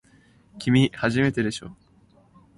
きみ、初めてでしょ。